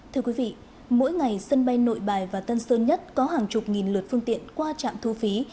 thưa quý vị mỗi ngày sân bay nội bài và tân sơn nhất có hàng chục nghìn lượt phương tiện qua trạm thu phí